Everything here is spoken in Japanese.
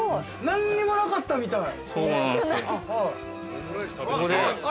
◆何にもなかったみたい。